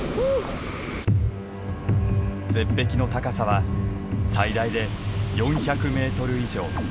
絶壁の高さは最大で４００メートル以上。